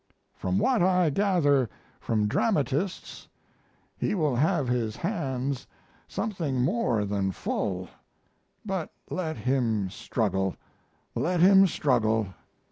] From what I gather from dramatists, he will have his hands something more than full but let him struggle, let him struggle.